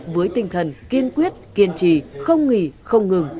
với tinh thần kiên quyết kiên trì không nghỉ không ngừng